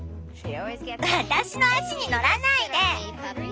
私の足に乗らないで！